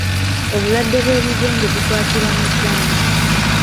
Obulwadde bw'ebigenge bukwatira mu bbanga.